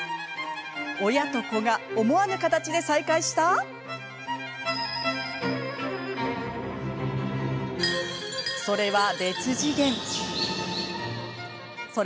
親と子が思わぬ形で再会したそれは、別次元。